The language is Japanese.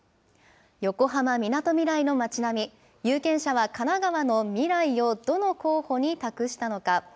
横浜・みなとみらいの町並み、有権者は神奈川のみらいをどの候補に託したのか。